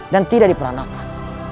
dan tidak diperanakan